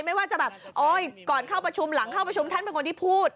ไม่ว่าจะแบบโอ๊ยก่อนเข้าประชุมหลังเข้าประชุมท่านเป็นคนที่พูด